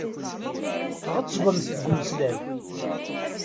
Tɣettbemt deg umeslay.